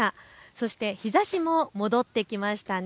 そして日ざしも戻ってきました。